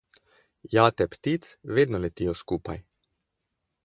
Jate ptic vedno letijo skupaj.